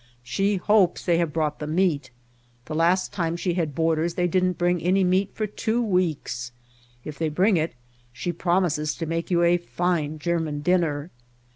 She hopes they have brought the meat. The last time she had boarders they didn't bring any meat for two weeks. If they bring it she prom ises to make you a fine German dinner.